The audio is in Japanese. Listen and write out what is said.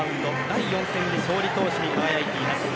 第４戦で勝利投手に輝いています。